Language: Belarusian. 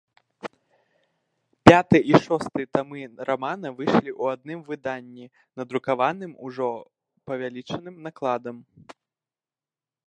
Пяты і шосты тамы рамана выйшлі ў адным выданні, надрукаваным ужо павялічаным накладам.